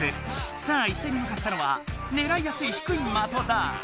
さあいっせいにむかったのはねらいやすいひくい的だ！